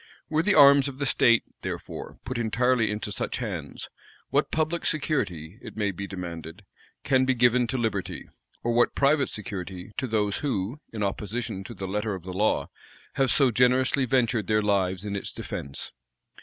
Were the arms of the state, therefore, put entirely into such hands, what public security, it may be demanded, can be given to liberty, or what private security to those who, in opposition to the letter of the law, have so generously ventured their lives in its defence?